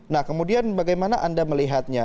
nah kemudian bagaimana anda melihatnya